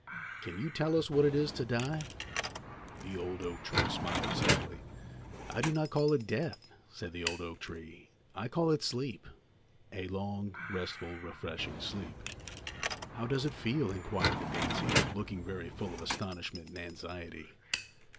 Can you tell us what it is to die?" The old oak tree smiled sadly. "I do not call it death," said the old oak tree; "I call it sleep, a long, restful, refreshing sleep." "How does it feel?" inquired the daisy, looking very full of astonishment and anxiety.